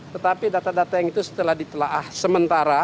tetapi data data yang itu setelah ditelah sementara